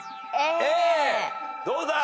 どうだ？